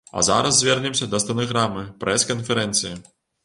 А зараз звернемся да стэнаграмы прэс-канферэнцыі.